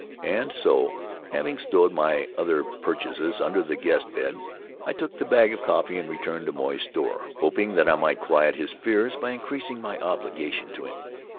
And so, having stowed my other purchases under the guest bed, I took the bag of coffee and returned to Moy's store, hoping that I might quiet his fears by increasing my obligation to him.